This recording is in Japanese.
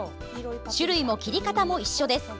種類も切り方も一緒です。